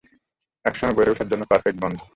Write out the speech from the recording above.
একসঙ্গে বেড়ে ওঠার জন্য পারফেক্ট বন্ধু।